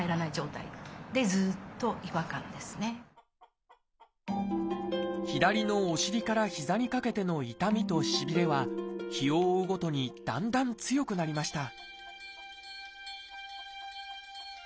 しかし良くはなったんですけど左のお尻から膝にかけての痛みとしびれは日を追うごとにだんだん強くなりました